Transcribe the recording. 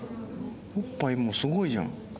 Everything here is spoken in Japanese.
おっぱいすごいじゃん。